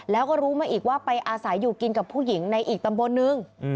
แล้วก็รู้มาอีกว่าไปอาศัยอยู่กินกับผู้หญิงในอีกตำบลนึง